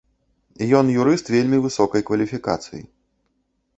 Ён юрыст вельмі высокай кваліфікацыі.